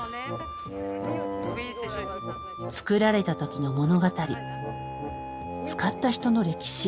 作られた時の物語使った人の歴史